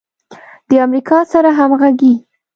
د امریکا سره همغږي